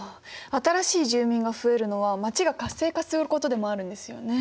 新しい住民が増えるのは街が活性化することでもあるんですよね。